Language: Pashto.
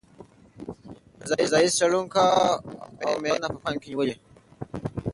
فضايي څېړونکو اوه معیارونه په پام کې نیولي.